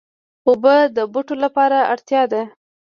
اوبه د بوټو لپاره اړتیا ده.